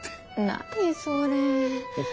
何それ。